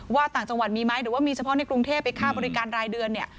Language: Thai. ต่างจังหวัดมีไหมหรือว่ามีเฉพาะในกรุงเทพไปค่าบริการรายเดือนเนี่ย